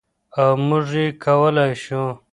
او موږ يې کولای شو.